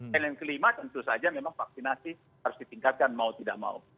dan yang kelima tentu saja memang vaksinasi harus ditingkatkan mau tidak mau